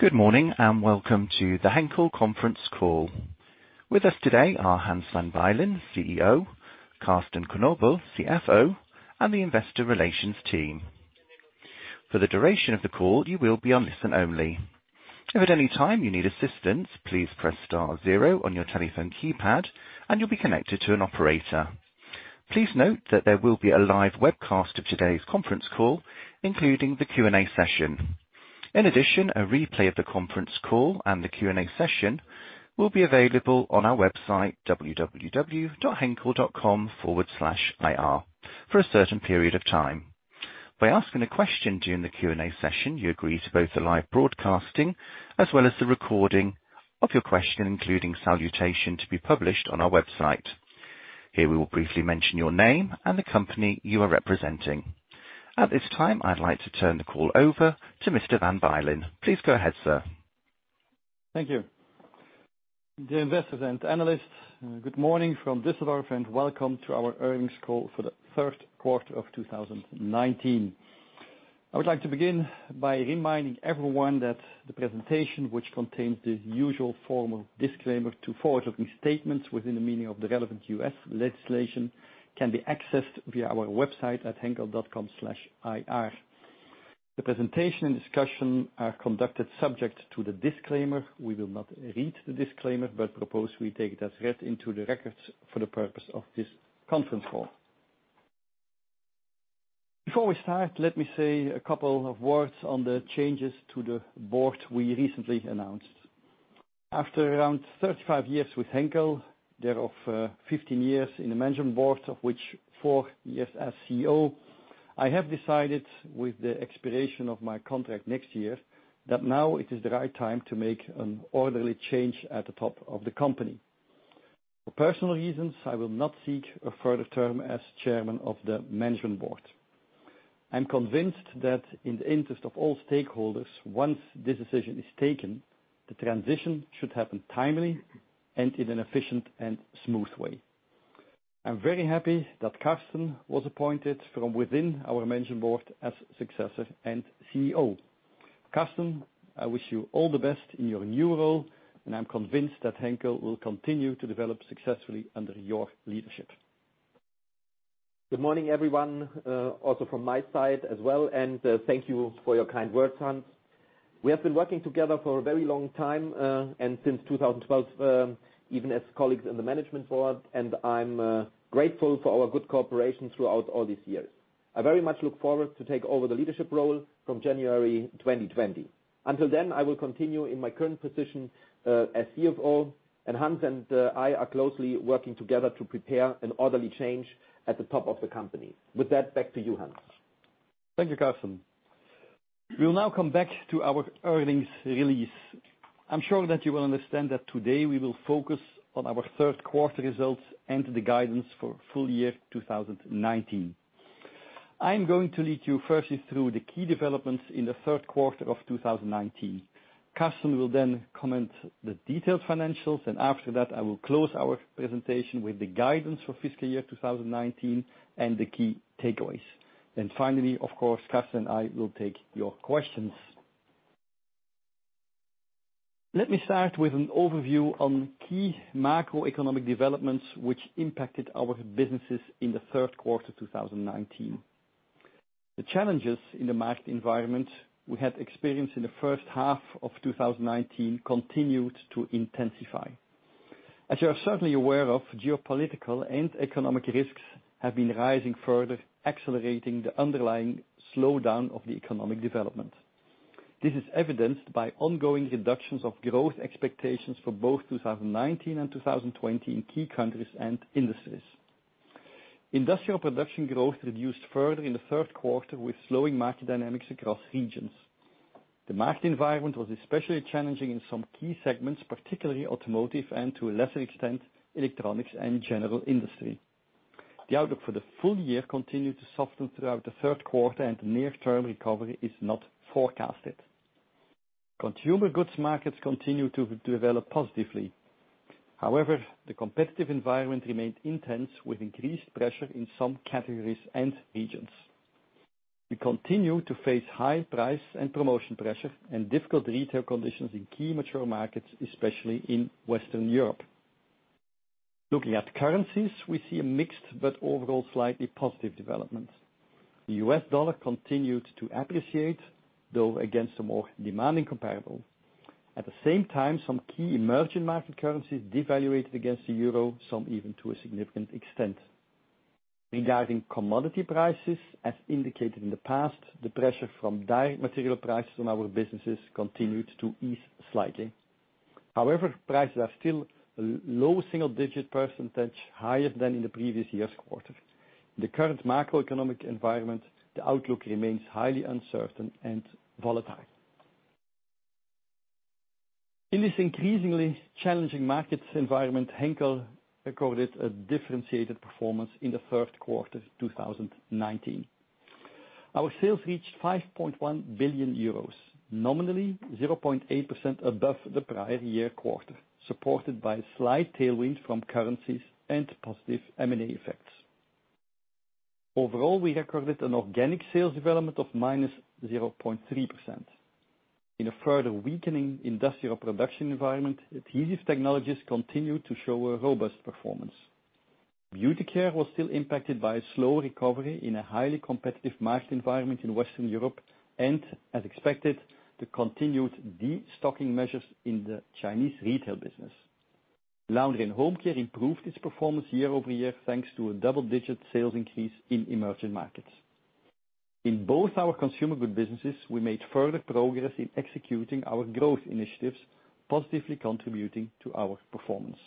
Good morning, and welcome to the Henkel conference call. With us today are Hans Van Bylen, CEO, Carsten Knobel, CFO, and the investor relations team. For the duration of the call, you will be on listen only. If at any time you need assistance, please press star 0 on your telephone keypad and you'll be connected to an operator. Please note that there will be a live webcast of today's conference call, including the Q&A session. In addition, a replay of the conference call and the Q&A session will be available on our website, www.henkel.com/ir, for a certain period of time. By asking a question during the Q&A session, you agree to both the live broadcasting as well as the recording of your question, including salutation, to be published on our website. Here we will briefly mention your name and the company you are representing. At this time, I'd like to turn the call over to Mr. Van Bylen. Please go ahead, sir. Thank you. Dear investors and analysts, good morning from Düsseldorf and welcome to our earnings call for the third quarter of 2019. I would like to begin by reminding everyone that the presentation, which contains the usual formal disclaimer to forward-looking statements within the meaning of the relevant US legislation, can be accessed via our website at henkel.com/ir. The presentation and discussion are conducted subject to the disclaimer. We will not read the disclaimer but propose we take it as read into the records for the purpose of this conference call. Before we start, let me say a couple of words on the changes to the board we recently announced. After around 35 years with Henkel, thereof 15 years in the Management Board, of which four years as CEO, I have decided with the expiration of my contract next year that now it is the right time to make an orderly change at the top of the company. For personal reasons, I will not seek a further term as chairman of the Management Board. I'm convinced that in the interest of all stakeholders, once this decision is taken, the transition should happen timely and in an efficient and smooth way. I'm very happy that Carsten was appointed from within our Management Board as successor and CEO. Carsten, I wish you all the best in your new role, and I'm convinced that Henkel will continue to develop successfully under your leadership. Good morning, everyone, also from my side as well, and thank you for your kind words, Hans. We have been working together for a very long time, and since 2012, even as colleagues in the Management Board, and I'm grateful for our good cooperation throughout all these years. I very much look forward to take over the leadership role from January 2020. Until then, I will continue in my current position as CFO, and Hans and I are closely working together to prepare an orderly change at the top of the company. With that, back to you, Hans. Thank you, Carsten. We'll now come back to our earnings release. I'm sure that you will understand that today we will focus on our third quarter results and the guidance for full year 2019. I'm going to lead you firstly through the key developments in the third quarter of 2019. Carsten will then comment the detailed financials, and after that, I will close our presentation with the guidance for fiscal year 2019 and the key takeaways. Finally, of course, Carsten and I will take your questions. Let me start with an overview on key macroeconomic developments which impacted our businesses in the third quarter 2019. The challenges in the market environment we had experienced in the first half of 2019 continued to intensify. As you are certainly aware of, geopolitical and economic risks have been rising further, accelerating the underlying slowdown of the economic development. This is evidenced by ongoing reductions of growth expectations for both 2019 and 2020 in key countries and industries. Industrial production growth reduced further in the third quarter with slowing market dynamics across regions. The market environment was especially challenging in some key segments, particularly automotive and, to a lesser extent, electronics and general industry. The outlook for the full year continued to soften throughout the third quarter, and near-term recovery is not forecasted. Consumer goods markets continue to develop positively. However, the competitive environment remained intense, with increased pressure in some categories and regions. We continue to face high price and promotion pressure and difficult retail conditions in key mature markets, especially in Western Europe. Looking at currencies, we see a mixed but overall slightly positive development. The US dollar continued to appreciate, though against a more demanding comparable. At the same time, some key emerging market currencies devaluated against the euro, some even to a significant extent. Regarding commodity prices, as indicated in the past, the pressure from raw material prices on our businesses continued to ease slightly. However, prices are still low single digit percentage higher than in the previous year's quarter. In the current macroeconomic environment, the outlook remains highly uncertain and volatile. In this increasingly challenging market environment, Henkel recorded a differentiated performance in the third quarter 2019. Our sales reached 5.1 billion euros, nominally 0.8% above the prior year quarter, supported by a slight tailwind from currencies and positive M&A effects. Overall, we recorded an organic sales development of minus 0.3%. In a further weakening industrial production environment, Adhesive Technologies continued to show a robust performance. Beauty Care was still impacted by a slow recovery in a highly competitive market environment in Western Europe and, as expected, the continued de-stocking measures in the Chinese retail business. Laundry and Home Care improved its performance year-over-year, thanks to a double-digit sales increase in emerging markets. In both our consumer goods businesses, we made further progress in executing our growth initiatives, positively contributing to our performance.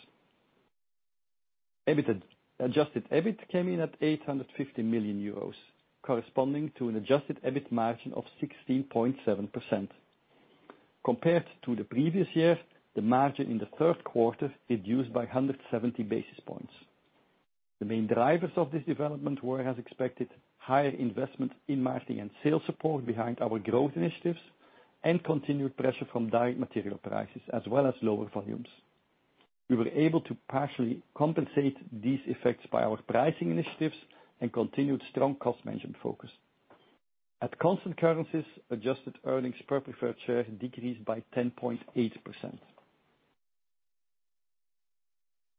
Adjusted EBIT came in at 850 million euros, corresponding to an adjusted EBIT margin of 16.7%. Compared to the previous year, the margin in the third quarter reduced by 170 basis points. The main drivers of this development were, as expected, higher investment in marketing and sales support behind our growth initiatives and continued pressure from direct material prices as well as lower volumes. We were able to partially compensate these effects by our pricing initiatives and continued strong cost management focus. At constant currencies, adjusted earnings per preferred share decreased by 10.8%.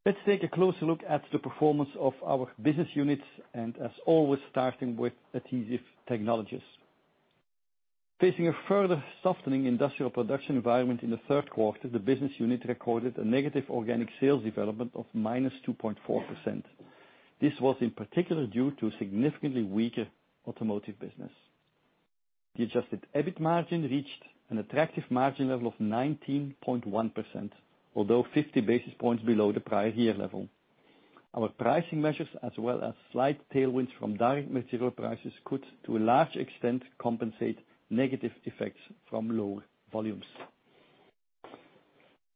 Let's take a closer look at the performance of our business units and as always, starting with Adhesive Technologies. Facing a further softening industrial production environment in the third quarter, the business unit recorded a negative organic sales development of minus 2.4%. This was in particular due to significantly weaker automotive business. The adjusted EBIT margin reached an attractive margin level of 19.1%, although 50 basis points below the prior year level. Our pricing measures as well as slight tailwinds from direct material prices could to a large extent compensate negative effects from lower volumes.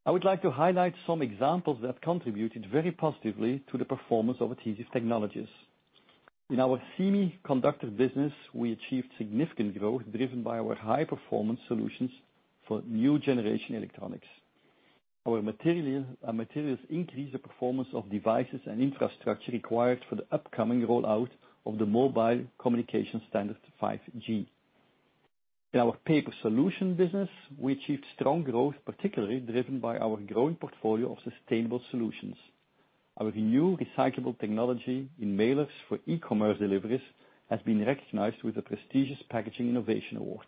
I would like to highlight some examples that contributed very positively to the performance of Adhesive Technologies. In our semiconductor business, we achieved significant growth driven by our high-performance solutions for new generation electronics. Our materials increase the performance of devices and infrastructure required for the upcoming rollout of the mobile communication standard, 5G. In our paper solution business, we achieved strong growth, particularly driven by our growing portfolio of sustainable solutions. Our new recyclable technology in mailers for e-commerce deliveries has been recognized with a prestigious packaging innovation award.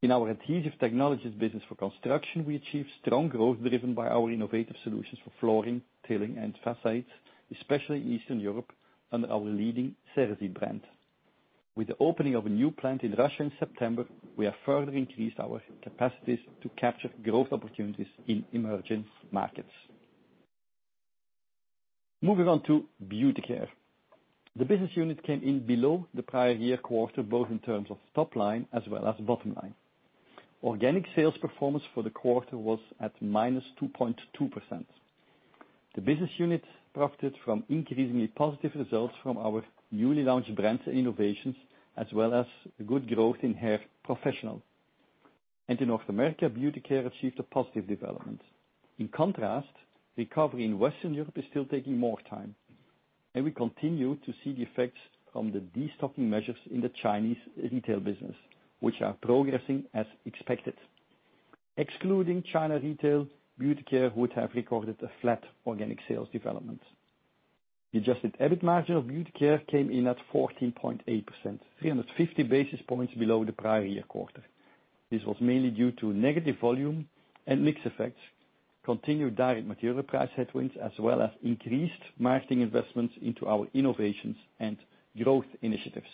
In our Adhesive Technologies business for construction, we achieved strong growth driven by our innovative solutions for flooring, tiling, and facades, especially in Eastern Europe, under our leading Ceresit brand. With the opening of a new plant in Russia in September, we have further increased our capacities to capture growth opportunities in emerging markets. Moving on to Beauty Care. The business unit came in below the prior year quarter, both in terms of top line as well as bottom line. Organic sales performance for the quarter was at minus 2.2%. The business unit profited from increasingly positive results from our newly launched brands and innovations, as well as good growth in Schwarzkopf Professional. In North America, Beauty Care achieved a positive development. In contrast, recovery in Western Europe is still taking more time, and we continue to see the effects from the de-stocking measures in the Chinese retail business, which are progressing as expected. Excluding China retail, Beauty Care would have recorded a flat organic sales development. The adjusted EBIT margin of Beauty Care came in at 14.8%, 350 basis points below the prior year quarter. This was mainly due to negative volume and mix effects, continued direct material price headwinds, as well as increased marketing investments into our innovations and growth initiatives.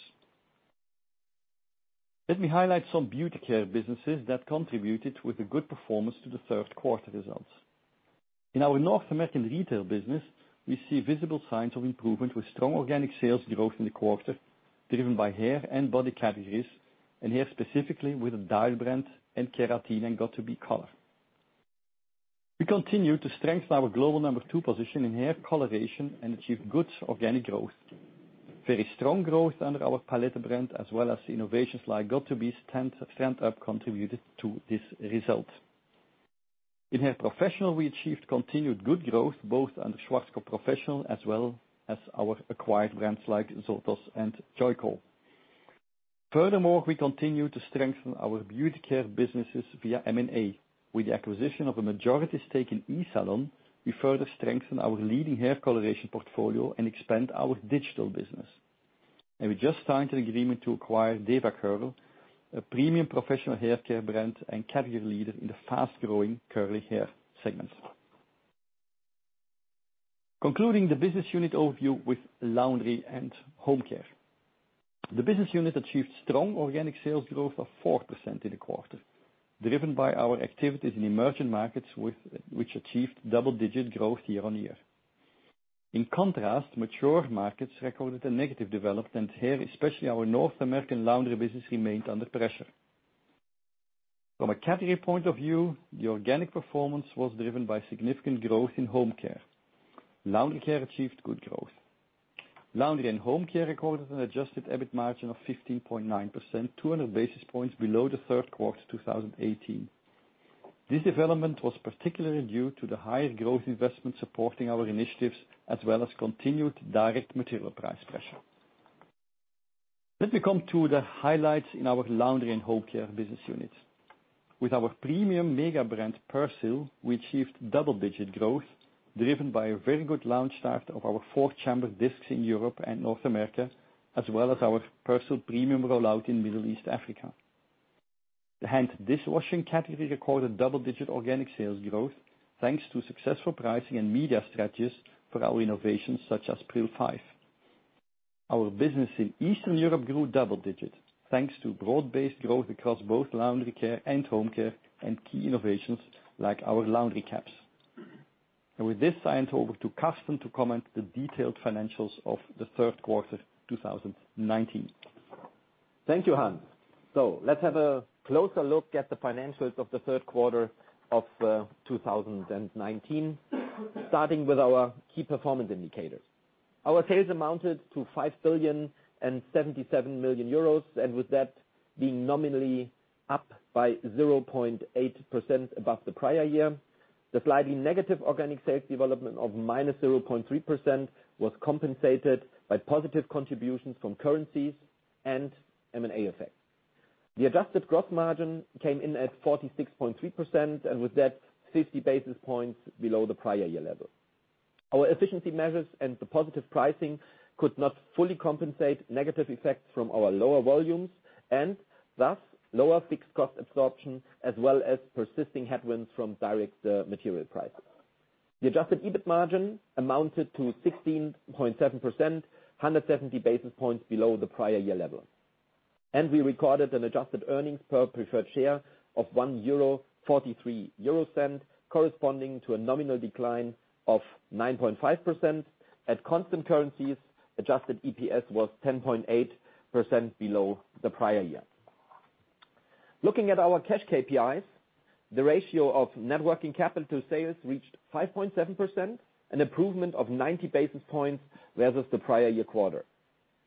Let me highlight some Beauty Care businesses that contributed with a good performance to the third quarter results. In our North American retail business, we see visible signs of improvement with strong organic sales growth in the quarter, driven by hair and body categories, and hair specifically with the Dial brand and Keratin Color and göt2b color. We continue to strengthen our global number two position in hair coloration and achieve good organic growth. Very strong growth under our Palette brand as well as innovations like göt2b stand up contributed to this result. In hair professional, we achieved continued good growth both under Schwarzkopf Professional as well as our acquired brands like Zotos and Joico. Furthermore, we continue to strengthen our beauty care businesses via M&A. With the acquisition of a majority stake in eSalon, we further strengthen our leading hair coloration portfolio and expand our digital business. We just signed an agreement to acquire DevaCurl, a premium professional haircare brand and category leader in the fast-growing curly hair segment. Concluding the business unit overview with Laundry and Home Care. The business unit achieved strong organic sales growth of 4% in the quarter, driven by our activities in emerging markets, which achieved double-digit growth year-on-year. In contrast, mature markets recorded a negative development. Here, especially our North American laundry business remained under pressure. From a category point of view, the organic performance was driven by significant growth in home care. Laundry care achieved good growth. Laundry and home care recorded an adjusted EBIT margin of 15.9%, 200 basis points below the third quarter of 2018. This development was particularly due to the higher growth investment supporting our initiatives as well as continued direct material price pressure. Let me come to the highlights in our Laundry and Home Care business units. With our premium mega brand, Persil, we achieved double-digit growth, driven by a very good launch start of our fourth chamber discs in Europe and North America, as well as our Persil premium rollout in Middle East Africa. The hand dishwashing category recorded double-digit organic sales growth, thanks to successful pricing and media strategies for our innovations such as Pril 5+. Our business in Eastern Europe grew double digits, thanks to broad-based growth across both laundry care and home care, and key innovations like our laundry caps. With this, I hand over to Carsten to comment the detailed financials of the third quarter 2019. Thank you, Hans. Let's have a closer look at the financials of the third quarter of 2019, starting with our key performance indicators. Our sales amounted to 5 billion 77 million, and with that, being nominally up by 0.8% above the prior year. The slightly negative organic sales development of -0.3% was compensated by positive contributions from currencies and M&A effects. The adjusted gross margin came in at 46.3%, and with that, 50 basis points below the prior year level. Our efficiency measures and the positive pricing could not fully compensate negative effects from our lower volumes and thus lower fixed cost absorption, as well as persisting headwinds from direct material prices. The adjusted EBIT margin amounted to 16.7%, 170 basis points below the prior year level. We recorded an adjusted earnings per preferred share of 1.43 euro, corresponding to a nominal decline of 9.5%. At constant currencies, adjusted EPS was 10.8% below the prior year. Looking at our cash KPIs, the ratio of net working capital sales reached 5.7%, an improvement of 90 basis points versus the prior year quarter.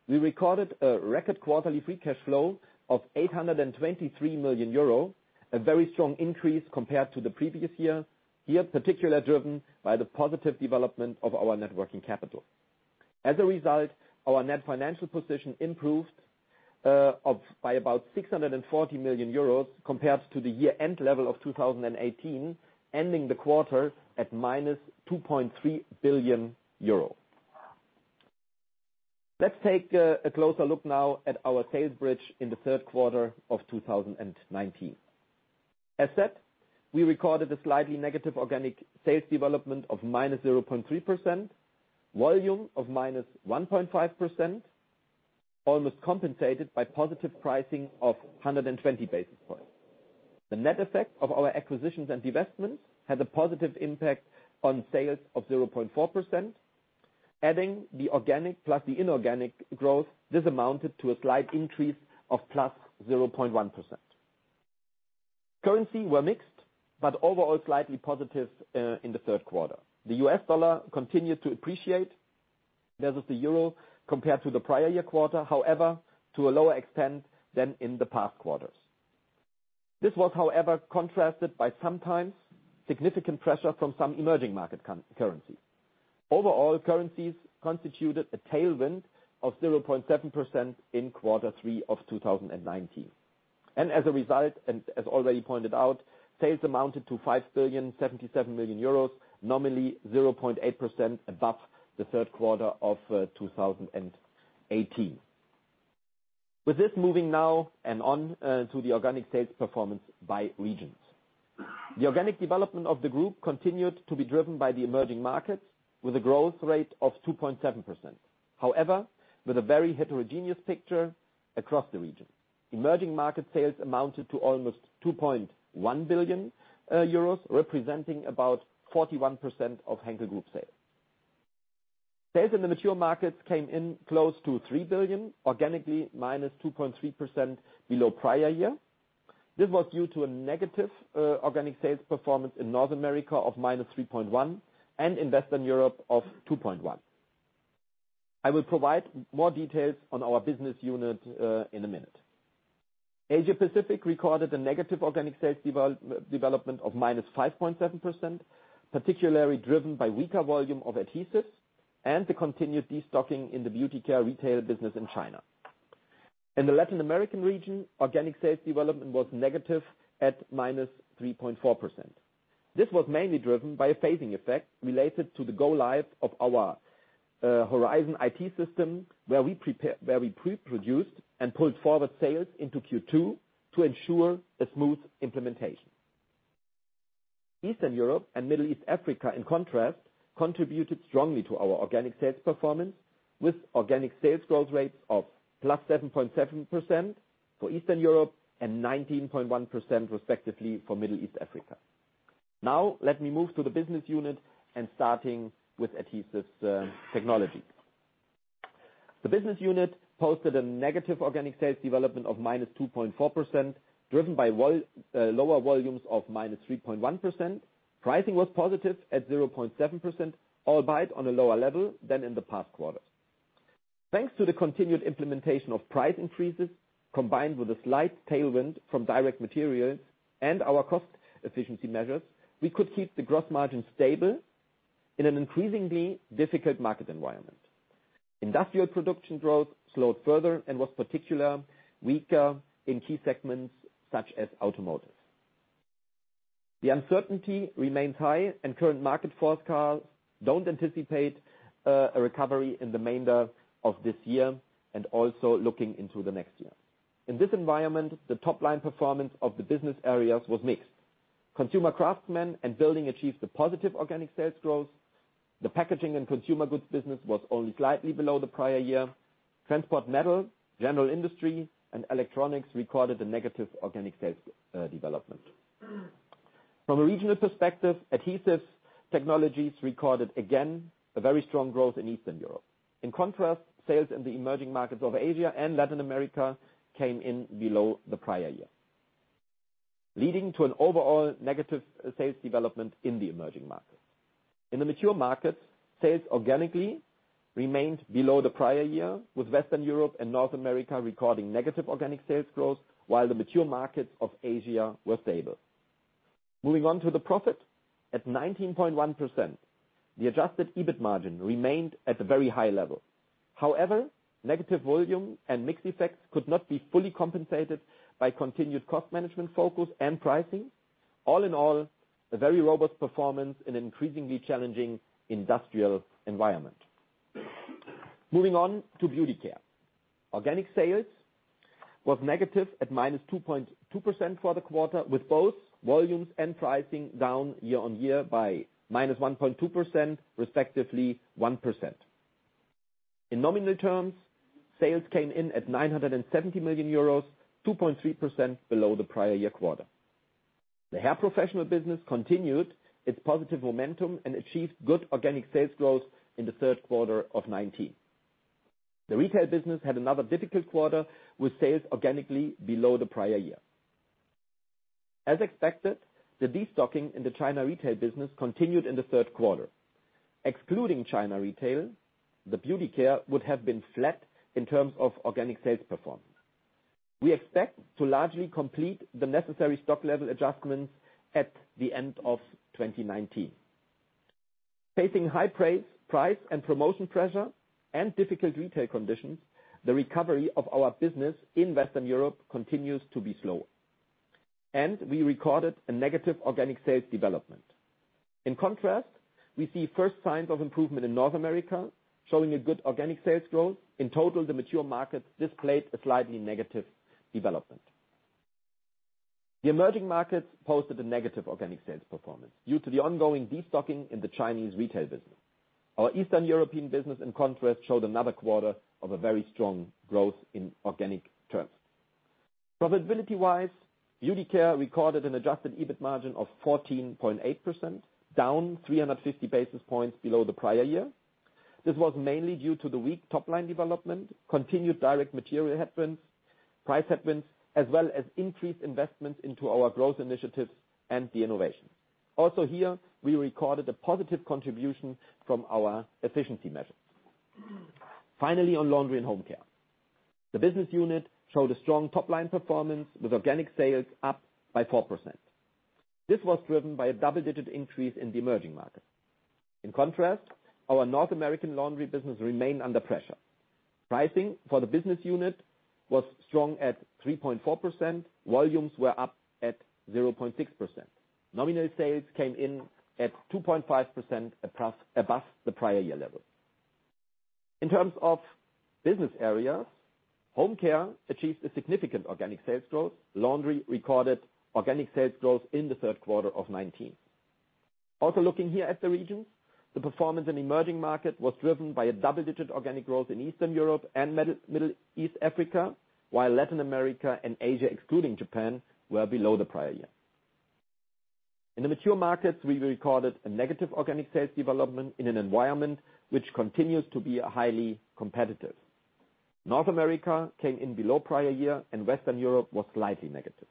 We recorded a record quarterly free cash flow of 823 million euro, a very strong increase compared to the previous year, here particularly driven by the positive development of our net working capital. As a result, our net financial position improved by about 640 million euros compared to the year-end level of 2018, ending the quarter at minus 2.3 billion euro. Let's take a closer look now at our sales bridge in the third quarter of 2019. As said, we recorded a slightly negative organic sales development of -0.3%, volume of -1.5%, almost compensated by positive pricing of 120 basis points. The net effect of our acquisitions and divestments had a positive impact on sales of 0.4%. Adding the organic plus the inorganic growth, this amounted to a slight increase of +0.1%. Currencies were mixed, but overall slightly positive in Q3. The US dollar continued to appreciate versus the euro compared to the prior year quarter, however, to a lower extent than in the past quarters. This was, however, contrasted by sometimes significant pressure from some emerging market currencies. Overall, currencies constituted a tailwind of 0.7% in Q3 2019. As a result, and as already pointed out, sales amounted to 5 billion, 77 million, nominally 0.8% above Q3 2018. With this, moving now and on to the organic sales performance by regions. The organic development of the group continued to be driven by the emerging markets with a growth rate of 2.7%. However, with a very heterogeneous picture across the region. Emerging market sales amounted to almost 2.1 billion euros, representing about 41% of Henkel Group sales. Sales in the mature markets came in close to 3 billion, organically minus 2.3% below prior year. This was due to a negative organic sales performance in North America of -3.1% and in Western Europe of 2.1%. I will provide more details on our business unit in a minute. Asia-Pacific recorded a negative organic sales development of -5.7%, particularly driven by weaker volume of adhesives and the continued destocking in the Beauty Care retail business in China. In the Latin American region, organic sales development was negative at -3.4%. This was mainly driven by a phasing effect related to the go live of our Horizon IT system, where we pre-produced and pulled forward sales into Q2 to ensure a smooth implementation. Eastern Europe and Middle East Africa, in contrast, contributed strongly to our organic sales performance, with organic sales growth rates of +7.7% for Eastern Europe and 19.1% respectively for Middle East Africa. Now let me move to the business unit, starting with Adhesive Technologies. The business unit posted a negative organic sales development of -2.4%, driven by lower volumes of -3.1%. Pricing was positive at 0.7%, albeit on a lower level than in the past quarters. Thanks to the continued implementation of price increases, combined with a slight tailwind from direct material and our cost efficiency measures, we could keep the gross margin stable in an increasingly difficult market environment. Industrial production growth slowed further and was particularly weaker in key segments such as automotive. The uncertainty remains high and current market forecasts don't anticipate a recovery in the remainder of this year and also looking into the next year. In this environment, the top-line performance of the business areas was mixed. Consumer, Craftsmen, and Building achieved the positive organic sales growth. The Packaging and Consumer Goods business was only slightly below the prior year. Transport, Metal, General Industry, and Electronics recorded a negative organic sales development. From a regional perspective, Adhesive Technologies recorded, again, a very strong growth in Eastern Europe. In contrast, sales in the emerging markets of Asia and Latin America came in below the prior year, leading to an overall negative sales development in the emerging markets. In the mature markets, sales organically remained below the prior year, with Western Europe and North America recording negative organic sales growth, while the mature markets of Asia were stable. Moving on to the profit. At 19.1%, the adjusted EBIT margin remained at a very high level. However, negative volume and mix effects could not be fully compensated by continued cost management focus and pricing. All in all, a very robust performance in an increasingly challenging industrial environment. Moving on to Beauty Care. Organic sales was negative at -2.2% for the quarter, with both volumes and pricing down year-on-year by -1.2%, respectively 1%. In nominal terms, sales came in at 79 million euros, 2.3% below the prior year quarter. The Hair Professional business continued its positive momentum and achieved good organic sales growth in the third quarter of 2019. The retail business had another difficult quarter with sales organically below the prior year. As expected, the destocking in the China retail business continued in the third quarter. Excluding China retail, the Beauty Care would have been flat in terms of organic sales performance. We expect to largely complete the necessary stock level adjustments at the end of 2019. Facing high price and promotion pressure and difficult retail conditions, the recovery of our business in Western Europe continues to be slow, and we recorded a negative organic sales development. In contrast, we see first signs of improvement in North America, showing a good organic sales growth. In total, the mature markets displayed a slightly negative development. The emerging markets posted a negative organic sales performance due to the ongoing destocking in the Chinese retail business. Our Eastern European business, in contrast, showed another quarter of a very strong growth in organic terms. Profitability-wise, Beauty Care recorded an adjusted EBIT margin of 14.8%, down 350 basis points below the prior year. This was mainly due to the weak top-line development, continued direct material headwinds, price headwinds, as well as increased investment into our growth initiatives and the innovation. Here, we recorded a positive contribution from our efficiency measures. On Laundry and Home Care. The business unit showed a strong top-line performance with organic sales up by 4%. This was driven by a double-digit increase in the emerging markets. In contrast, our North American laundry business remained under pressure. Pricing for the business unit was strong at 3.4%. Volumes were up at 0.6%. Nominal sales came in at 2.5% above the prior year level. In terms of business areas, Home Care achieved a significant organic sales growth. Laundry recorded organic sales growth in the third quarter of 2019. Looking here at the regions, the performance in emerging market was driven by a double-digit organic growth in Eastern Europe and Middle East Africa, while Latin America and Asia, excluding Japan, were below the prior year. In the mature markets, we recorded a negative organic sales development in an environment which continues to be highly competitive. North America came in below prior year and Western Europe was slightly negative.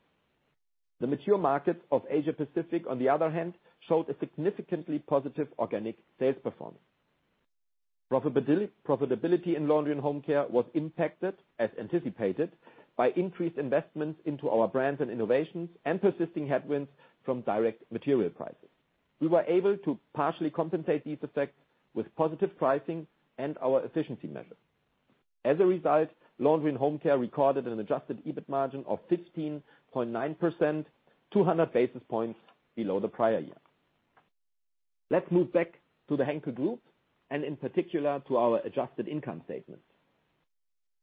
The mature markets of Asia Pacific, on the other hand, showed a significantly positive organic sales performance. Profitability in Laundry and Home Care was impacted, as anticipated, by increased investments into our brands and innovations and persisting headwinds from direct material prices. We were able to partially compensate these effects with positive pricing and our efficiency measures. As a result, Laundry and Home Care recorded an adjusted EBIT margin of 15.9%, 200 basis points below the prior year. Let's move back to the Henkel Group and in particular to our adjusted income statement.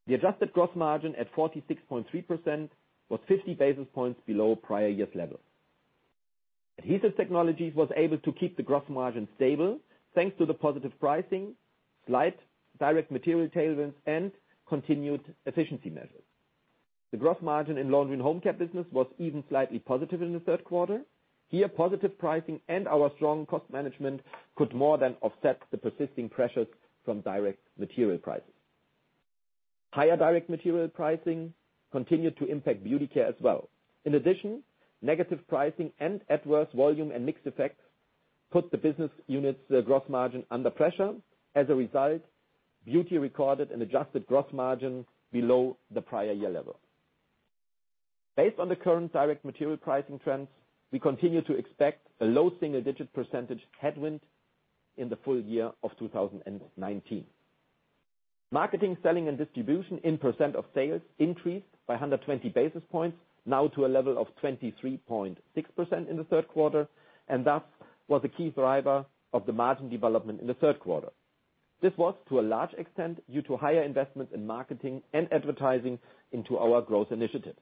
The adjusted gross margin at 46.3% was 50 basis points below prior year's level. Adhesive Technologies was able to keep the gross margin stable thanks to the positive pricing, slight direct material tailwinds, and continued efficiency measures. The gross margin in Laundry and Home Care business was even slightly positive in the third quarter. Here, positive pricing and our strong cost management could more than offset the persisting pressures from direct material prices. Higher direct material pricing continued to impact Beauty Care as well. In addition, negative pricing and adverse volume and mix effects put the business unit's gross margin under pressure. As a result, Beauty recorded an adjusted gross margin below the prior year level. Based on the current direct material pricing trends, we continue to expect a low single-digit % headwind in the full year of 2019. Marketing, selling, and distribution in % of sales increased by 120 basis points, now to a level of 23.6% in the third quarter, and thus was a key driver of the margin development in the third quarter. This was, to a large extent, due to higher investments in marketing and advertising into our growth initiatives.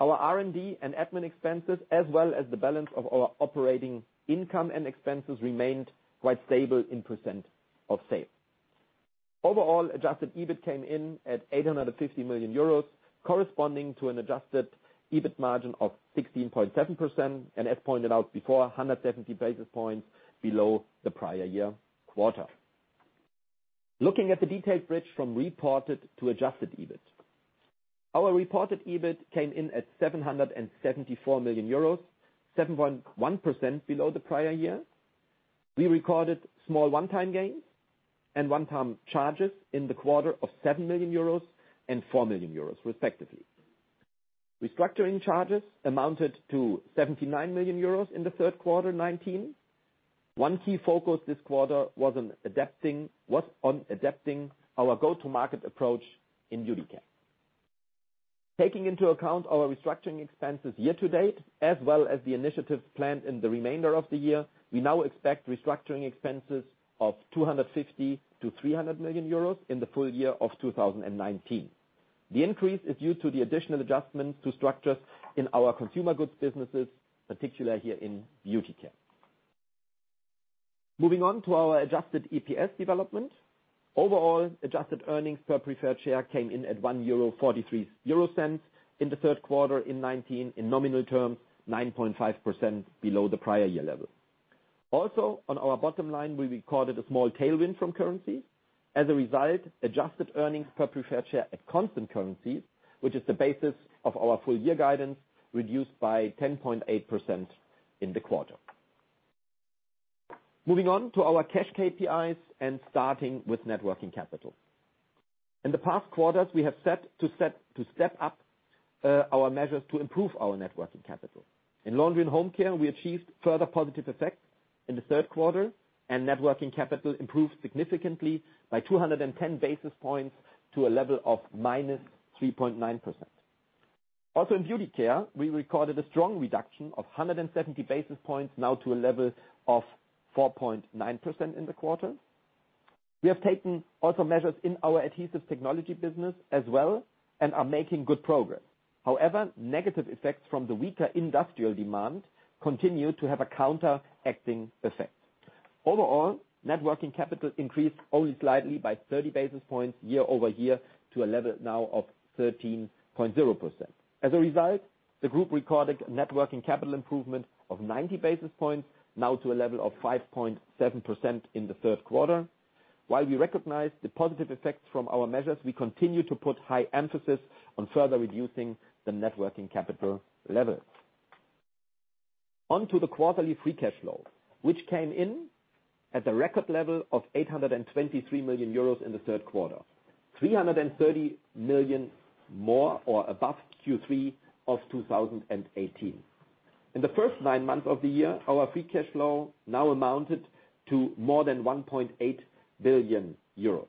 Our R&D and admin expenses, as well as the balance of our operating income and expenses, remained quite stable in % of sales. Overall, adjusted EBIT came in at 850 million euros, corresponding to an adjusted EBIT margin of 16.7%, and as pointed out before, 170 basis points below the prior year quarter. Looking at the detailed bridge from reported to adjusted EBIT. Our reported EBIT came in at 774 million euros, 7.1% below the prior year. We recorded small one-time gains and one-time charges in the quarter of 7 million euros and 4 million euros, respectively. Restructuring charges amounted to 79 million euros in the third quarter, 2019. One key focus this quarter was on adapting our go-to-market approach in Beauty Care. Taking into account our restructuring expenses year to date, as well as the initiatives planned in the remainder of the year, we now expect restructuring expenses of 250 million-300 million euros in the full year of 2019. The increase is due to the additional adjustments to structures in our consumer goods businesses, particularly here in Beauty Care. Moving on to our adjusted EPS development. Overall, adjusted earnings per preferred share came in at 1.43 euro in the third quarter in 2019. In nominal terms, 9.5% below the prior year level. Also, on our bottom line, we recorded a small tailwind from currency. As a result, adjusted earnings per preferred share at constant currency, which is the basis of our full year guidance, reduced by 10.8% in the quarter. Moving on to our cash KPIs and starting with net working capital. In the past quarters, we have set to step up our measures to improve our net working capital. In Laundry and Home Care, we achieved further positive effects in the third quarter, and net working capital improved significantly by 210 basis points to a level of -3.9%. Also, in Beauty Care, we recorded a strong reduction of 170 basis points, now to a level of 4.9% in the quarter. We have taken also measures in our Adhesive Technologies business as well and are making good progress. However, negative effects from the weaker industrial demand continue to have a counteracting effect. Overall, net working capital increased only slightly by 30 basis points year-over-year to a level now of 13.0%. As a result, the group recorded a net working capital improvement of 90 basis points, now to a level of 5.7% in the third quarter. While we recognize the positive effects from our measures, we continue to put high emphasis on further reducing the net working capital levels. On to the quarterly free cash flow, which came in at a record level of 823 million euros in the third quarter, 330 million more or above Q3 of 2018. In the first nine months of the year, our free cash flow now amounted to more than 1.8 billion euros.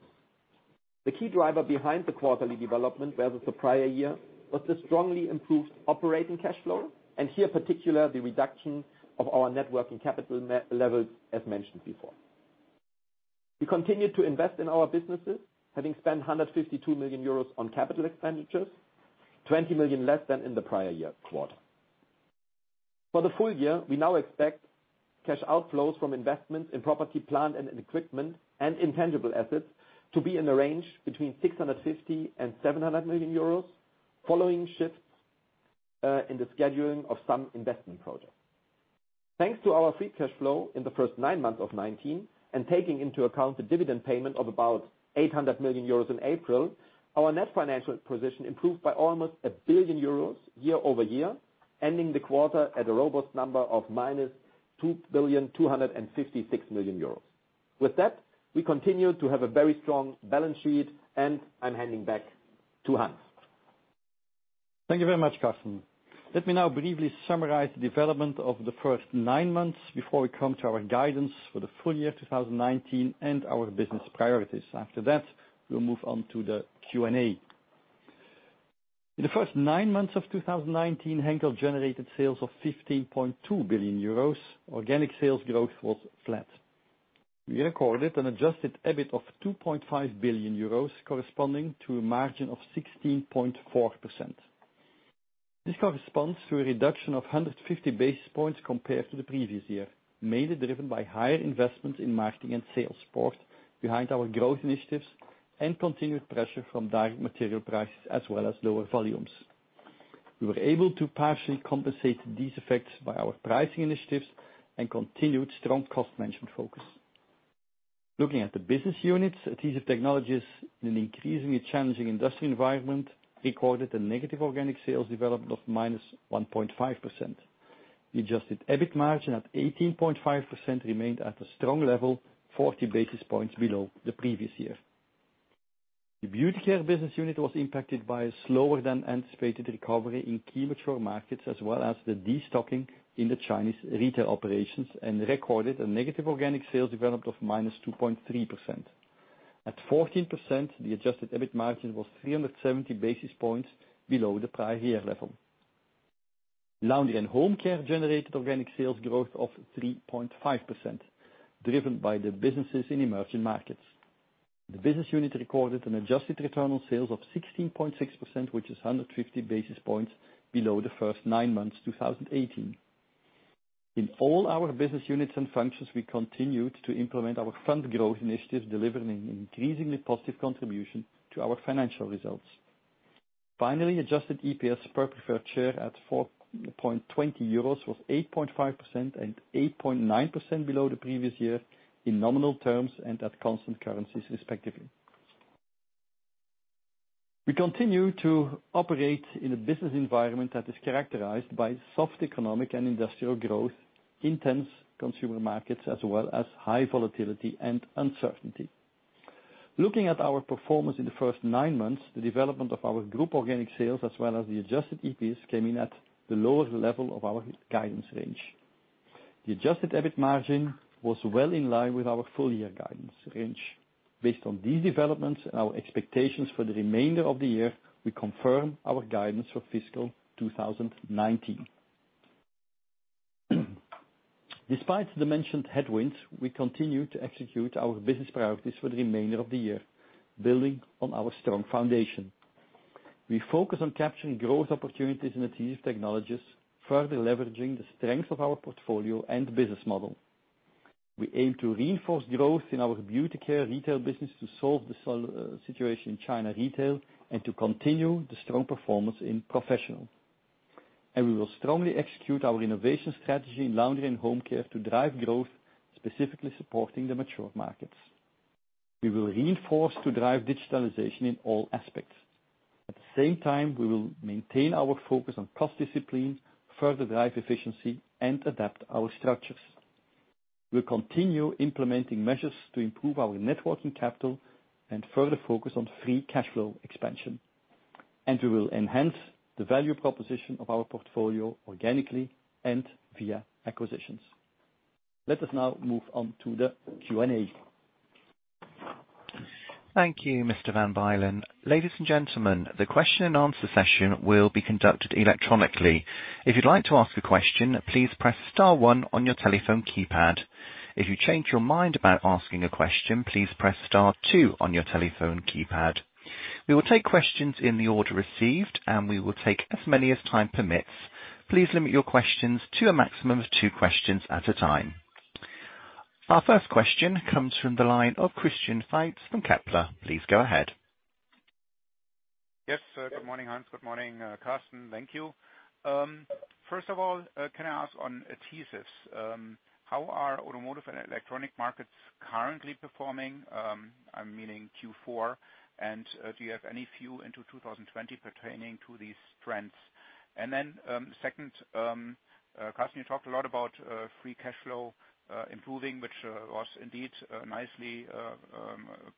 The key driver behind the quarterly development versus the prior year was the strongly improved operating cash flow, and here particularly, the reduction of our net working capital levels, as mentioned before. We continued to invest in our businesses, having spent 152 million euros on capital expenditures, 20 million less than in the prior year quarter. For the full year, we now expect cash outflows from investments in property, plant, and equipment, and intangible assets to be in the range between 650 million-700 million euros, following shifts in the scheduling of some investment projects. Thanks to our free cash flow in the first nine months of 2019, and taking into account the dividend payment of about 800 million euros in April, our net financial position improved by almost 1 billion euros year-over-year, ending the quarter at a robust number of minus 2,256 million euros. With that, we continue to have a very strong balance sheet, and I'm handing back to Hans. Thank you very much, Carsten. Let me now briefly summarize the development of the first nine months before we come to our guidance for the full year 2019 and our business priorities. After that, we'll move on to the Q&A. In the first nine months of 2019, Henkel generated sales of 15.2 billion euros. Organic sales growth was flat. We recorded an adjusted EBIT of 2.5 billion euros, corresponding to a margin of 16.4%. This corresponds to a reduction of 150 basis points compared to the previous year, mainly driven by higher investments in marketing and sales force behind our growth initiatives, and continued pressure from direct material prices as well as lower volumes. We were able to partially compensate these effects by our pricing initiatives and continued strong cost management focus. Looking at the business units, Adhesive Technologies in an increasingly challenging industry environment, recorded a negative organic sales development of -1.5%. The adjusted EBIT margin at 18.5% remained at a strong level, 40 basis points below the previous year. The Beauty Care business unit was impacted by a slower than anticipated recovery in key mature markets as well as the destocking in the Chinese retail operations, and recorded a negative organic sales development of -2.3%. At 14%, the adjusted EBIT margin was 370 basis points below the prior year level. Laundry and Home Care generated organic sales growth of 3.5%, driven by the businesses in emerging markets. The business unit recorded an adjusted return on sales of 16.6%, which is 150 basis points below the first nine months 2018. In all our business units and functions, we continued to implement our front growth initiatives, delivering an increasingly positive contribution to our financial results. Finally, adjusted EPS per preferred share at 4.20 euros was 8.5% and 8.9% below the previous year in nominal terms and at constant currencies respectively. We continue to operate in a business environment that is characterized by soft economic and industrial growth, intense consumer markets, as well as high volatility and uncertainty. Looking at our performance in the first nine months, the development of our group organic sales as well as the adjusted EPS came in at the lower level of our guidance range. The adjusted EBIT margin was well in line with our full year guidance range. Based on these developments and our expectations for the remainder of the year, we confirm our guidance for fiscal 2019. Despite the mentioned headwinds, we continue to execute our business priorities for the remainder of the year, building on our strong foundation. We focus on capturing growth opportunities in Adhesive Technologies, further leveraging the strength of our portfolio and business model. We aim to reinforce growth in our Beauty Care retail business to solve the situation in China retail, and to continue the strong performance in professional. We will strongly execute our innovation strategy in Laundry and Home Care to drive growth, specifically supporting the mature markets. We will reinforce to drive digitalization in all aspects. At the same time, we will maintain our focus on cost discipline, further drive efficiency, and adapt our structures. We'll continue implementing measures to improve our net working capital and further focus on free cash flow expansion. We will enhance the value proposition of our portfolio organically and via acquisitions. Let us now move on to the Q&A. Thank you, Mr. Van Bylen. Ladies and gentlemen, the question and answer session will be conducted electronically. If you'd like to ask a question, please press star one on your telephone keypad. If you change your mind about asking a question, please press star two on your telephone keypad. We will take questions in the order received, and we will take as many as time permits. Please limit your questions to a maximum of two questions at a time. Our first question comes from the line of Christian Faitz from Kepler. Please go ahead. Yes. Good morning, Hans. Good morning, Carsten. Thank you. First of all, can I ask on adhesives, how are automotive and electronic markets currently performing? I'm meaning Q4. Do you have any view into 2020 pertaining to these trends? Second, Carsten, you talked a lot about free cash flow improving, which was indeed nicely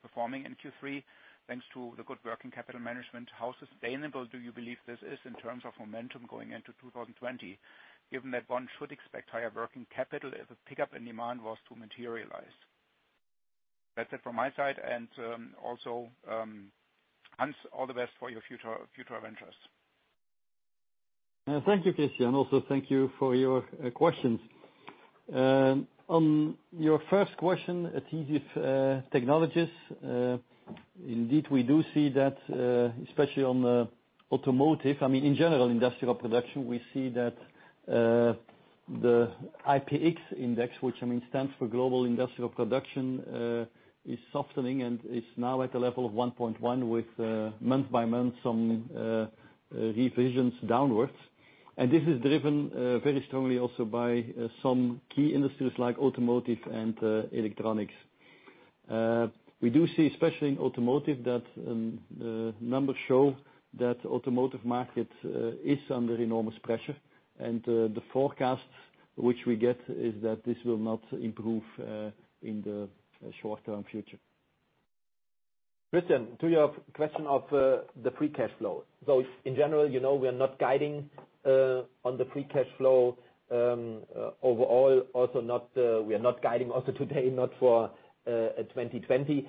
performing in Q3 thanks to the good working capital management. How sustainable do you believe this is in terms of momentum going into 2020, given that one should expect higher working capital if a pickup in demand was to materialize? That's it from my side. Also, Hans, all the best for your future ventures. Thank you, Christian. Also, thank you for your questions. On your first question, Adhesive Technologies. Indeed, we do see that, especially on the automotive, in general, industrial production, we see that the IPI index, which stands for Global Industrial Production, is softening and is now at a level of 1.1 with month by month some revisions downwards. This is driven very strongly also by some key industries like automotive and electronics. We do see, especially in automotive, that the numbers show that automotive market is under enormous pressure and the forecast which we get is that this will not improve in the short-term future. Christian, to your question of the free cash flow. In general, we are not guiding on the free cash flow. Overall, we are not guiding also today, not for 2020.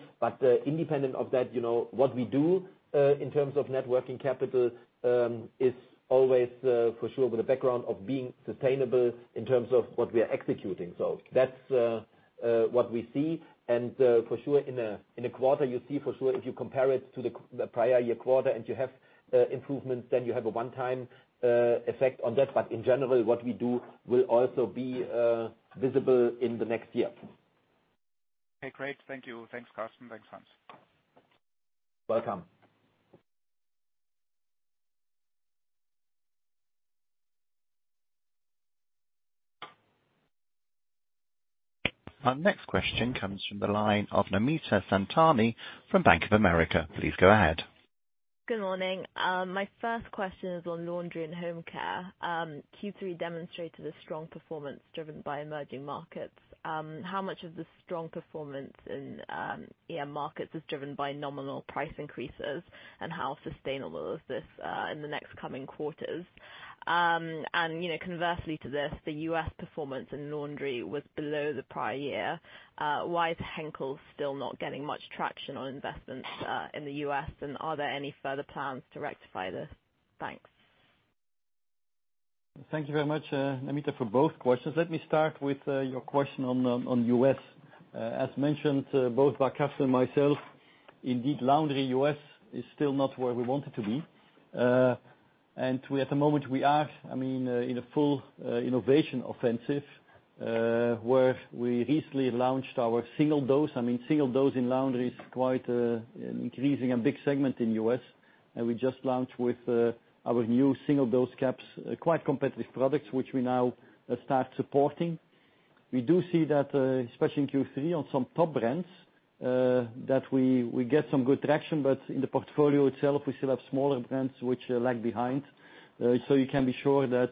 Independent of that, what we do in terms of net working capital is always for sure with the background of being sustainable in terms of what we are executing. That's what we see. For sure in the quarter, you see for sure if you compare it to the prior year quarter and you have improvements, then you have a one-time effect on that. In general, what we do will also be visible in the next year. Okay, great. Thank you. Thanks, Carsten. Thanks, Hans. Welcome. Our next question comes from the line of Namita Samtani from Bank of America. Please go ahead. Good morning. My first question is on Laundry and Home Care. Q3 demonstrated a strong performance driven by emerging markets. How much of the strong performance in EM markets is driven by nominal price increases, and how sustainable is this in the next coming quarters? Conversely to this, the U.S. performance in laundry was below the prior year. Why is Henkel still not getting much traction on investments in the U.S., and are there any further plans to rectify this? Thanks. Thank you very much, Namita, for both questions. Let me start with your question on U.S. As mentioned, both by Carsten and myself, indeed, laundry U.S. is still not where we want it to be. At the moment we are in a full innovation offensive, where we recently launched our single dose. Single dose in laundry is quite an increasing and big segment in U.S., and we just launched with our new single dose caps, quite competitive products, which we now start supporting. We do see that, especially in Q3 on some top brands, that we get some good traction, but in the portfolio itself, we still have smaller brands which lag behind. You can be sure that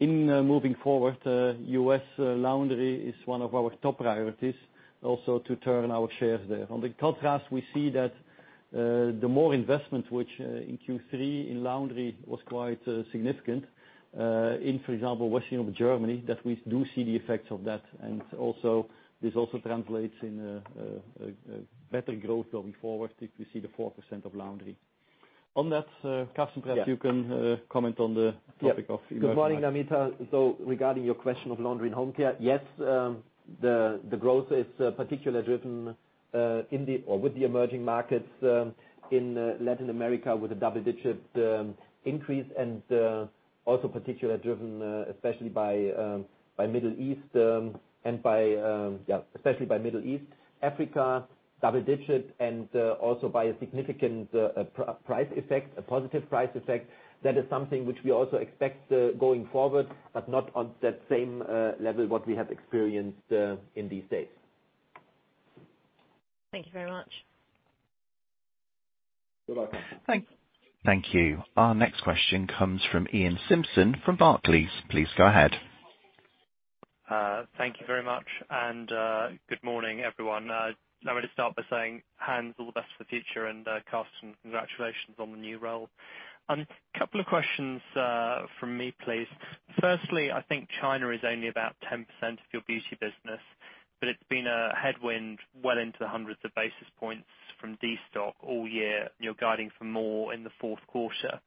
in moving forward, U.S. Laundry is one of our top priorities, also to turn our shares there. On the contrast, we see that the more investment, which in Q3 in Laundry and Home Care was quite significant. In, for example, Western Europe, that we do see the effects of that and this also translates in a better growth going forward if you see the 4% of Laundry and Home Care. On that, Carsten, perhaps you can comment on the topic of emerging markets. Good morning, Namita. Regarding your question of Laundry and Home Care, yes, the growth is particularly driven with the emerging markets in Latin America with a double-digit increase and, also particularly driven, especially by Middle East, Africa, double-digit, and also by a significant positive price effect. That is something which we also expect going forward, but not on that same level what we have experienced in these rates. Thank you very much. You're welcome. Thanks. Thank you. Our next question comes from Iain Simpson from Barclays. Please go ahead. Thank you very much, and good morning, everyone. I'm going to start by saying, Hans, all the best for the future, and, Carsten, congratulations on the new role. Couple of questions from me, please. Firstly, I think China is only about 10% of your Beauty business, but it's been a headwind well into the hundreds of basis points from destock all year. You're guiding for more in the fourth quarter.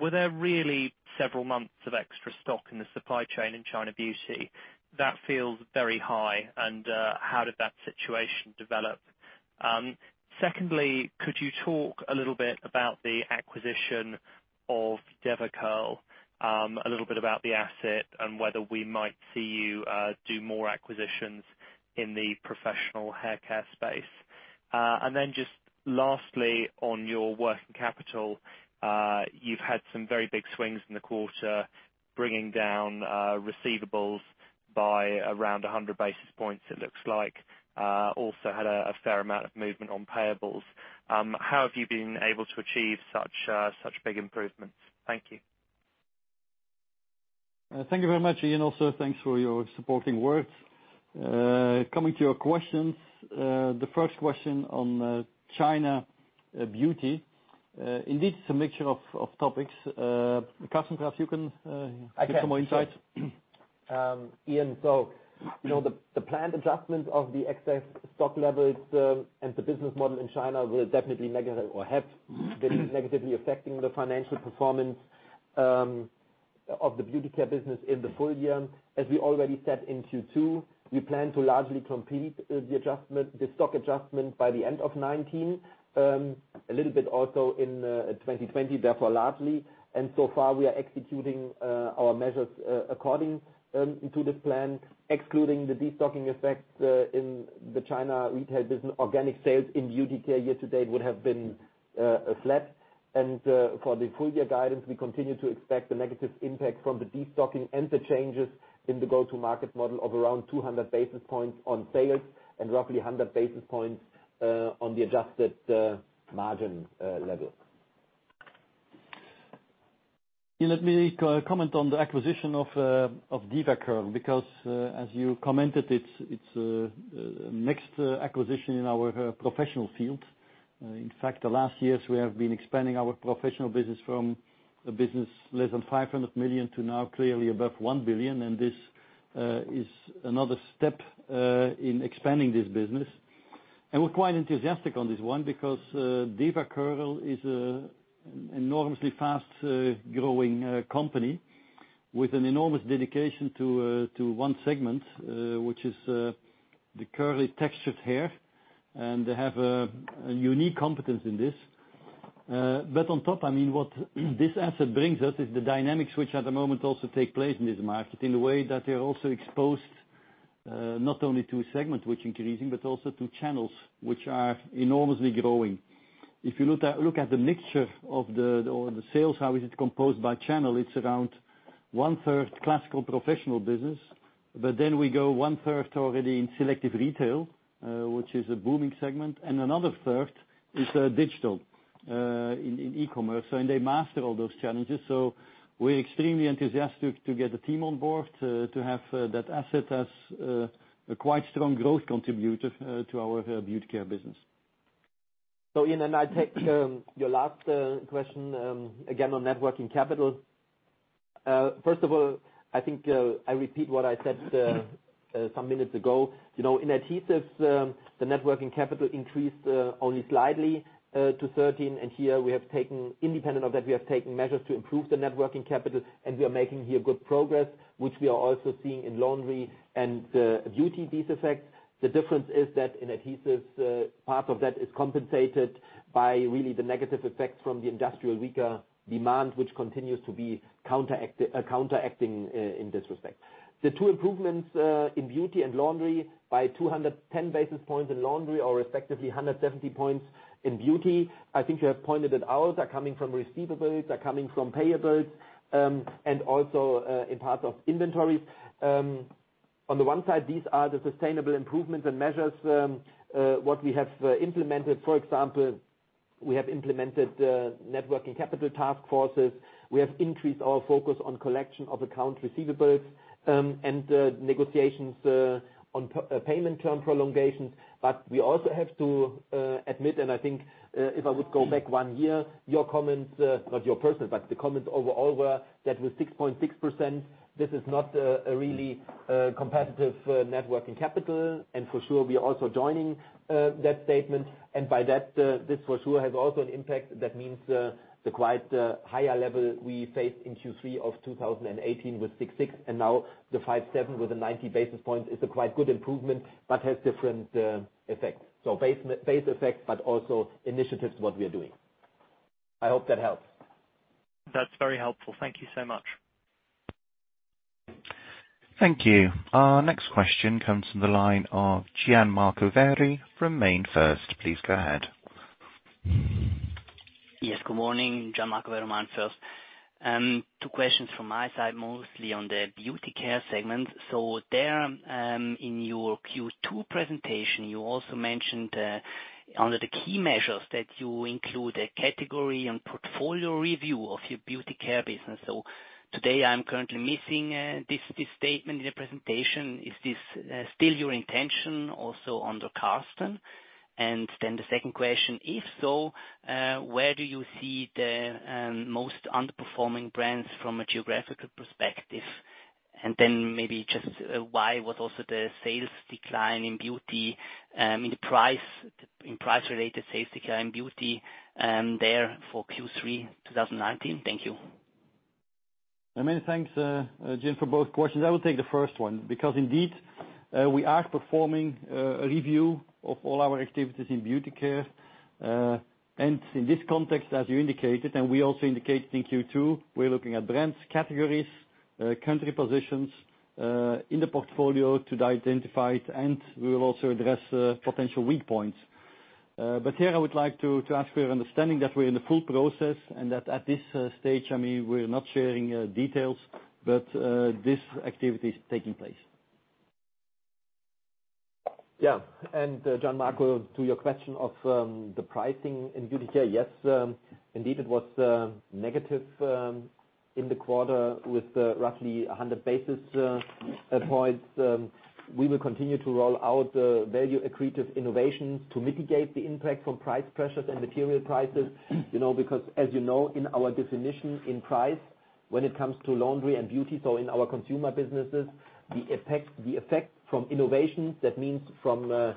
Were there really several months of extra stock in the supply chain in China Beauty? That feels very high. How did that situation develop? Secondly, could you talk a little bit about the acquisition of DevaCurl, a little bit about the asset, and whether we might see you do more acquisitions in the professional haircare space? Just lastly, on your working capital, you've had some very big swings in the quarter, bringing down receivables by around 100 basis points, it looks like. Also had a fair amount of movement on payables. How have you been able to achieve such big improvements? Thank you. Thank you very much, Iain. Thanks for your supporting words. Coming to your questions. The first question on China Beauty. Indeed, it's a mixture of topics. Carsten, perhaps you can give some more insight. Iain, the planned adjustment of the excess stock levels, and the business model in China will definitely, or have been negatively affecting the financial performance of the Beauty Care business in the full year. As we already said in Q2, we plan to largely complete the stock adjustment by the end of 2019. A little bit also in 2020, therefore, largely. So far we are executing our measures according to this plan. Excluding the destocking effect in the China retail business, organic sales in Beauty Care year to date would have been flat. For the full year guidance, we continue to expect the negative impact from the destocking and the changes in the go-to-market model of around 200 basis points on sales and roughly 100 basis points on the adjusted margin level. Let me comment on the acquisition of DevaCurl, as you commented, it's a mixed acquisition in our professional field. In fact, the last years we have been expanding our professional business from a business less than 500 million to now clearly above 1 billion, this is another step in expanding this business. We're quite enthusiastic on this one because DevaCurl is enormously fast growing company with an enormous dedication to one segment, which is the curly textured hair, they have a unique competence in this. On top, what this asset brings us is the dynamics which at the moment also take place in this market in a way that they're also exposed not only to a segment which is increasing, but also to channels which are enormously growing. If you look at the mixture of the sales, how is it composed by channel, it's around one-third classical professional business. We go one-third already in selective retail, which is a booming segment, and another third is digital in e-commerce. They master all those challenges. We're extremely enthusiastic to get the team on board to have that asset as a quite strong growth contributor to our Beauty Care business. Iain, I take your last question again on net working capital. First of all, I think I repeat what I said some minutes ago. In Adhesives, the net working capital increased only slightly to 13. Here, independent of that, we have taken measures to improve the net working capital, and we are making good progress, which we are also seeing in Laundry and Beauty, these effects. The difference is that in Adhesives, part of that is compensated by really the negative effects from the industrial weaker demand, which continues to be counteracting in this respect. The two improvements in Beauty and Laundry by 210 basis points in Laundry or respectively 170 points in Beauty. I think you have pointed it out, are coming from receivables, are coming from payables, and also in part of inventories. On the one side, these are the sustainable improvements and measures, what we have implemented. For example, we have implemented net working capital task forces. We have increased our focus on collection of account receivables and negotiations on payment term prolongations. We also have to admit, and I think if I would go back one year, your comment, not your personal, but the comments overall were that with 6.6%, this is not a really competitive net working capital. For sure, we are also joining that statement. By that, this for sure has also an impact. That means the quite higher level we faced in Q3 of 2018 with 6.6% and now the 5.7% with a 90 basis point is a quite good improvement but has different effects. Base effects but also initiatives, what we are doing. I hope that helps. That's very helpful. Thank you so much. Thank you. Our next question comes from the line of Gianmarco Verri from MainFirst. Please go ahead. Yes, good morning, Gianmarco Verri, MainFirst. Two questions from my side, mostly on the Beauty Care segment. There in your Q2 presentation, you also mentioned under the key measures that you include a category and portfolio review of your Beauty Care business. Today, I am currently missing this statement in your presentation. Is this still your intention also under Carsten? The second question, if so, where do you see the most underperforming brands from a geographical perspective? Maybe just why was also the sales decline in Beauty Care in price-related sales decline in Beauty Care there for Q3 2019? Thank you. Many thanks, Gian, for both questions. I will take the first one because indeed, we are performing a review of all our activities in Beauty Care. In this context, as you indicated, and we also indicated in Q2, we're looking at brands, categories, country positions in the portfolio to identify it, and we will also address potential weak points. Here I would like to ask for your understanding that we're in the full process and that at this stage, we're not sharing details, but this activity is taking place. Gianmarco, to your question of the pricing in Beauty Care, yes, indeed, it was negative in the quarter with roughly 100 basis points. We will continue to roll out value accretive innovations to mitigate the impact from price pressures and material prices. As you know, in our definition in price, when it comes to Laundry and Beauty, so in our consumer businesses, the effect from innovations, that means from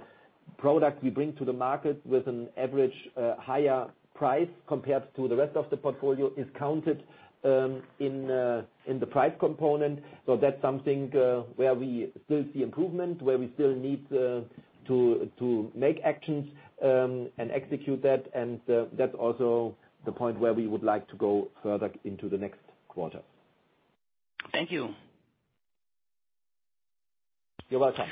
product we bring to the market with an average higher price compared to the rest of the portfolio is counted in the price component. That's something where we still see improvement, where we still need to make actions and execute that. That's also the point where we would like to go further into the next quarter. Thank you. You're welcome.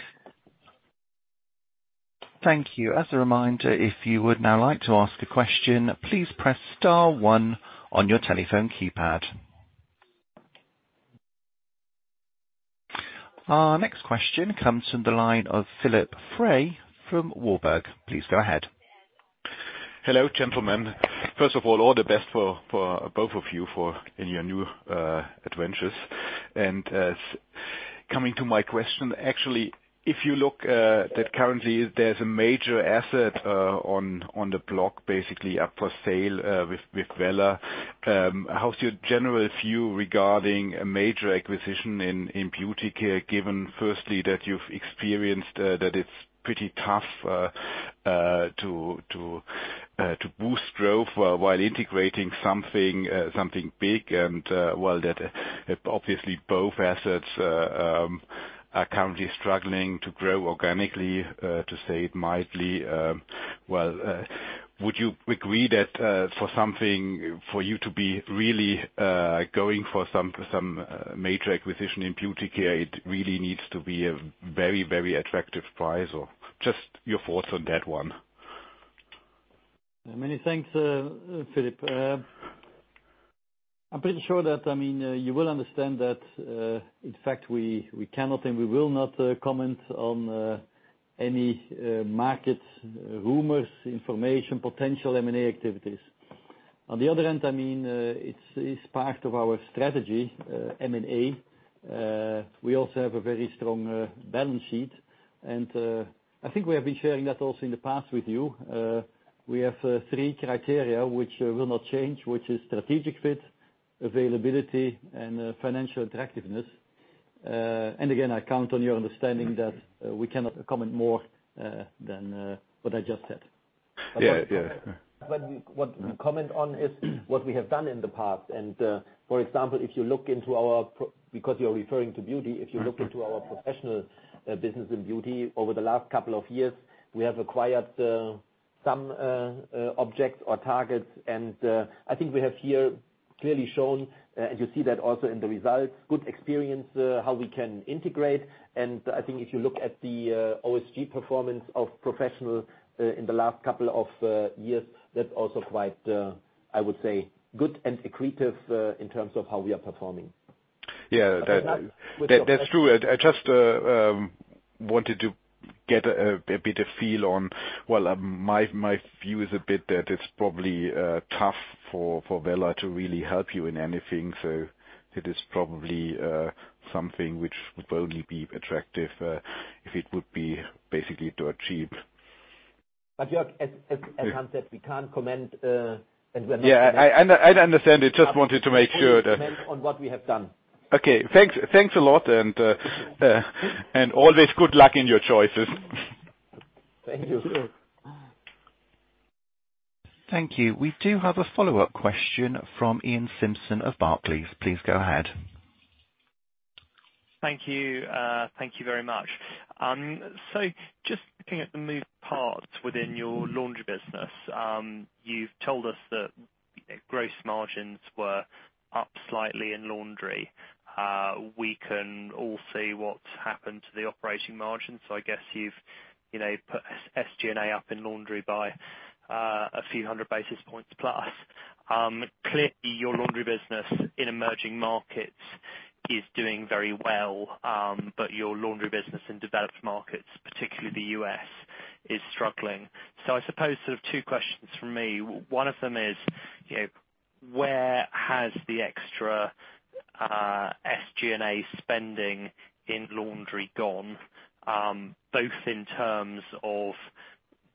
Thank you. As a reminder, if you would now like to ask a question, please press star one on your telephone keypad. Our next question comes from the line of Philipp Frey from Warburg. Please go ahead. Hello, gentlemen. First of all the best for both of you in your new adventures. Coming to my question, actually, if you look that currently there's a major asset on the block, basically up for sale with Wella. How's your general view regarding a major acquisition in Beauty Care, given firstly that you've experienced that it's pretty tough to boost growth while integrating something big and while that obviously both assets are currently struggling to grow organically, to say it mildly. Would you agree that for you to be really going for some major acquisition in Beauty Care, it really needs to be a very, very attractive price or just your thoughts on that one? Many thanks, Philipp. I'm pretty sure that you will understand that, in fact, we cannot and we will not comment on any market rumors, information, potential M&A activities. On the other hand, it's part of our strategy, M&A. We also have a very strong balance sheet, and I think we have been sharing that also in the past with you. We have three criteria which will not change, which is strategic fit, availability, and financial attractiveness. And again, I count on your understanding that we cannot comment more than what I just said. Yeah. What we comment on is what we have done in the past. For example, because you're referring to beauty, if you look into our professional business in beauty over the last couple of years, we have acquired some objects or targets. I think we have here clearly shown, and you see that also in the results, good experience, how we can integrate. I think if you look at the OSG performance of professional in the last couple of years, that's also quite, I would say, good and accretive in terms of how we are performing. Yeah. That's true. I just wanted to get a bit of feel on Well, my view is a bit that it's probably tough for Wella to really help you in anything. It is probably something which would only be attractive if it would be basically to achieve. Jörg, as Hans said, we can't comment. Yeah, I understand. We can only comment on what we have done. Okay, thanks a lot, and always good luck in your choices. Thank you. Thank you. We do have a follow-up question from Iain Simpson of Barclays. Please go ahead. Thank you. Thank you very much. Just looking at the moving parts within your laundry business, you've told us that gross margins were up slightly in laundry. We can all see what's happened to the operating margins. I guess you've put SG&A up in laundry by a few hundred basis points plus. Clearly, your laundry business in emerging markets is doing very well, but your laundry business in developed markets, particularly the U.S., is struggling. I suppose sort of two questions from me. One of them is, where has the extra SG&A spending in laundry gone? Both in terms of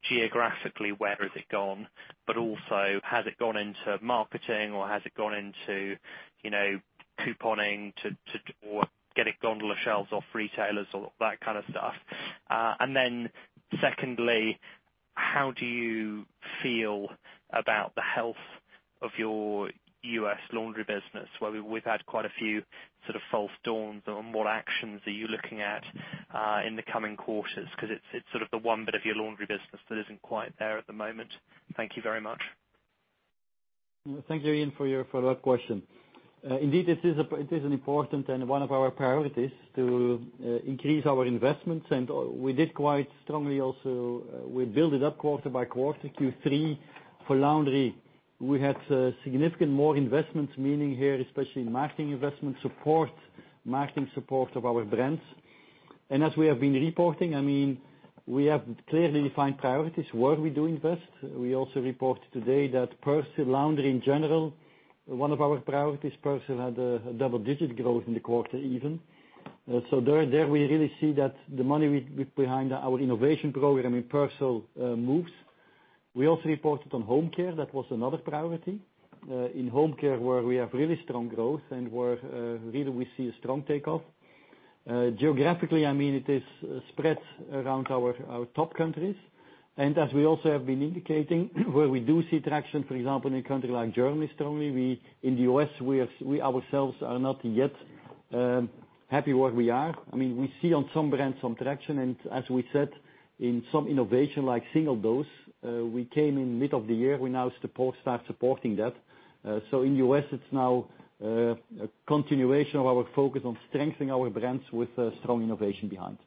geographically, where has it gone, but also has it gone into marketing or has it gone into couponing to get a gondola shelves off retailers or that kind of stuff? Then secondly, how do you feel about the health of your U.S. laundry business, where we've had quite a few sort of false dawns on what actions are you looking at in the coming quarters? Because it's sort of the one bit of your laundry business that isn't quite there at the moment. Thank you very much. Thank you, Iain, for your follow-up question. Indeed, it is an important and one of our priorities to increase our investments. We did quite strongly also, we build it up quarter by quarter. Q3 for Laundry, we had significant more investments, meaning here, especially in marketing investment support, marketing support of our brands. As we have been reporting, we have clearly defined priorities where we do invest. We also reported today that Persil laundry in general, one of our priorities, Persil had a double-digit growth in the quarter even. There we really see that the money behind our innovation program in Persil moves. We also reported on Home Care, that was another priority. In Home Care, where we have really strong growth and where really we see a strong takeoff. Geographically, it is spread around our top countries. As we also have been indicating, where we do see traction, for example, in a country like Germany, strongly, we in the U.S., we ourselves are not yet happy where we are. We see on some brands some traction, and as we said, in some innovation like single dose, we came in mid of the year, we now start supporting that. In U.S., it's now a continuation of our focus on strengthening our brands with strong innovation behind.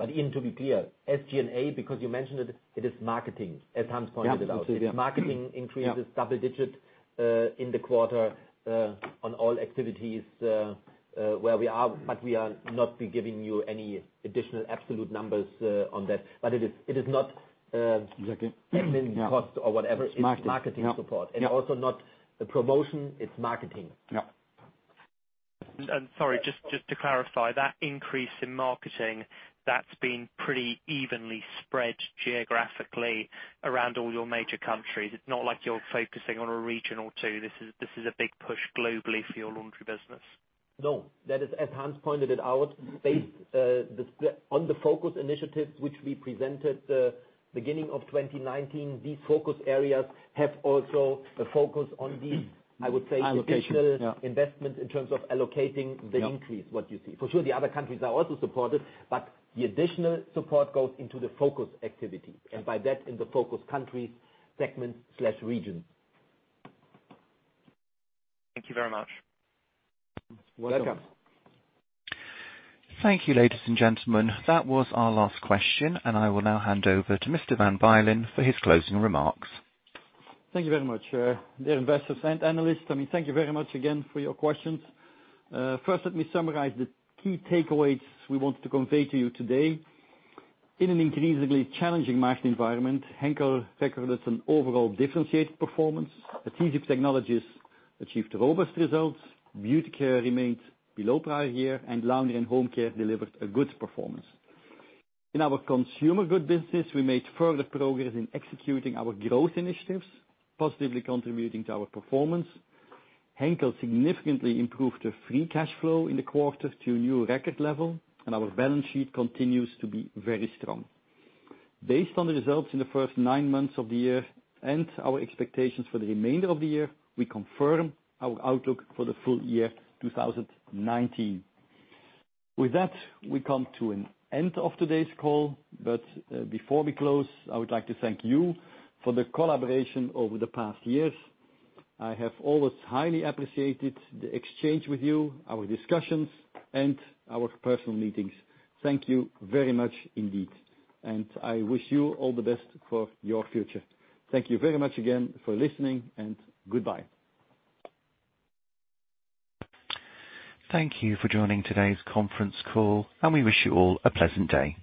Iain, to be clear, SG&A, because you mentioned it is marketing, as Hans pointed out. Yeah. Marketing increases double digit in the quarter on all activities where we are, but we are not giving you any additional absolute numbers on that. Exactly. Administrative cost or whatever. It's marketing. It's marketing support. Yeah. Also not the promotion, it's marketing. Yeah. Sorry, just to clarify, that increase in marketing, that's been pretty evenly spread geographically around all your major countries. It's not like you're focusing on a region or two. This is a big push globally for your laundry business. No. That is, as Hans pointed it out, based on the Focus Initiatives which we presented beginning of 2019, these focus areas have also a focus on these, I would say. Allocation additional investment in terms of allocating the increase, what you see. For sure, the other countries are also supported, but the additional support goes into the focus activity, and by that, in the focus countries, segment/region. Thank you very much. Welcome. Welcome. Thank you, ladies and gentlemen. That was our last question, and I will now hand over to Mr. Van Bylen for his closing remarks. Thank you very much. Dear investors and analysts, thank you very much again for your questions. First, let me summarize the key takeaways we wanted to convey to you today. In an increasingly challenging market environment, Henkel recorded an overall differentiated performance. Adhesive Technologies achieved robust results. Beauty Care remained below prior year, and Laundry and Home Care delivered a good performance. In our consumer goods business, we made further progress in executing our growth initiatives, positively contributing to our performance. Henkel significantly improved the free cash flow in the quarter to a new record level, and our balance sheet continues to be very strong. Based on the results in the first nine months of the year and our expectations for the remainder of the year, we confirm our outlook for the full year 2019. With that, we come to an end of today's call. Before we close, I would like to thank you for the collaboration over the past years. I have always highly appreciated the exchange with you, our discussions, and our personal meetings. Thank you very much indeed. I wish you all the best for your future. Thank you very much again for listening, and goodbye. Thank you for joining today's conference call, and we wish you all a pleasant day.